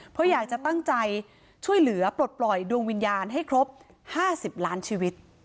เพราะอยากจะตั้งใจช่วยเหลือปลดปล่อยดวงวิญญาณให้ครบ๕๐ล้านชีวิต